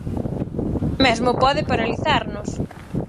Mesmo pode paralizarnos.